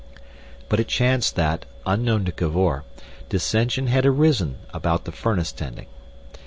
But it chanced that, unknown to Cavor, dissension had arisen about the furnace tending.